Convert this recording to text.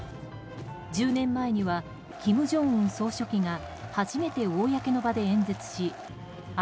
１０年前には金正恩総書記が初めて公の場で演説しＩＣＢＭ